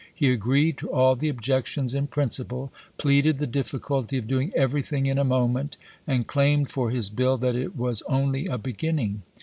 He agreed to all the objections "in principle," pleaded the difficulty of doing everything in a moment, and claimed for his Bill that it was "only a beginning."